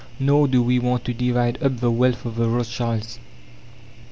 Nor do we want to divide up the wealth of the Rothschilds.